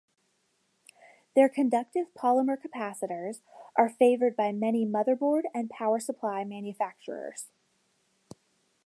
Their conductive polymer capacitors are favored by many motherboard and power supply manufacturers.